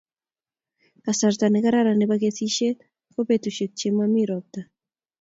Kasarta ne kararan nebo kesisishet ko petushek che mami ropta